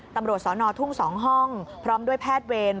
ตำรวจสนทุ่ง๒ห้องพร้อมด้วยแพทย์เวร